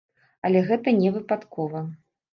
Але гэта не выпадкова.